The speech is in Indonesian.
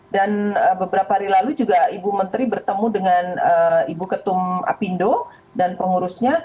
dan beberapa hari lalu juga ibu menteri bertemu dengan ibu ketum apindo dan pengurusnya